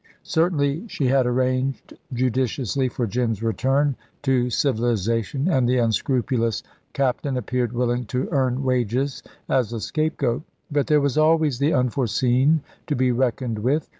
Certainly she had arranged judiciously for Jim's return to civilisation, and the unscrupulous captain appeared willing to earn wages as a scapegoat; but there was always the unforeseen to be reckoned with.